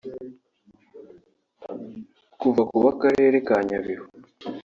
kuva ku b’Akarere ka Nyabihu